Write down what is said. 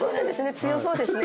強そうですね。